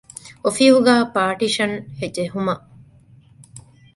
އޮފީހުގައި ޕާޓީޝަން ޖެހުމަށް